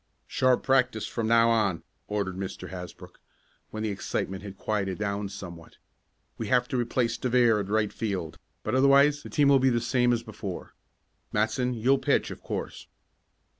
"Sharp practice from now on," ordered Mr. Hasbrook, when the excitement had quieted down somewhat. "We'll have to replace De Vere at right field, but otherwise the team will be the same as before. Matson, you'll pitch, of course."